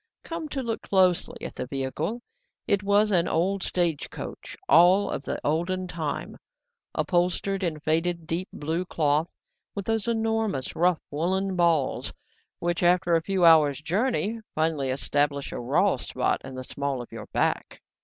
COME to look closely at the vehicle, it was an old stage coach all of the olden time, upholstered in faded deep blue cloth, with those enormous rough woollen balls which, after a few hours' journey, finally establish a raw spot in the small of your back.